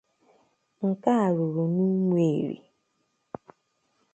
nke a rụrụ n'Ụmụeri